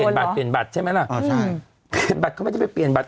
บัตรเปลี่ยนบัตรใช่ไหมล่ะอ๋อใช่เปลี่ยนบัตรเขาไม่ได้ไปเปลี่ยนบัตร